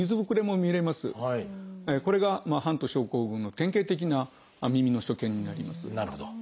これがハント症候群の典型的な耳の所見になります。